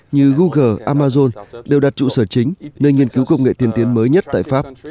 như google amazon đều đặt trụ sở chính nơi nghiên cứu công nghệ tiên tiến mới nhất tại pháp